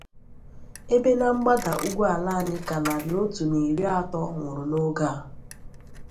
ebe na mgbada ugwu ala anyị ka narị otu na iri atọ nwụrụ n'oge a.